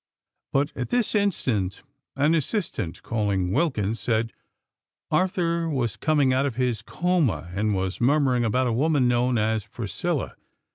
But, at this instant, an assistant, calling Wilkins, said Arthur was coming out of his coma; and was murmuring "about a woman known as Priscilla.